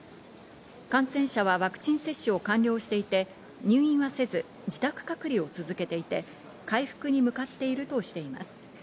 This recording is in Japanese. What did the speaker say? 感染者はワクチン接種を完了していて、入院はせず自宅隔離を続けていて、回復に向かっているとしています。